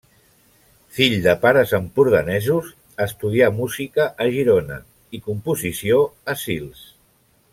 Fill de pares empordanesos, estudià música a Girona i composició a Sils.